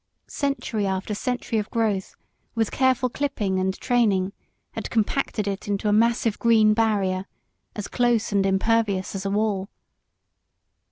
Century after century of growth, with careful clipping and training, had compacted it into a massive green barrier, as close and impervious as a wall.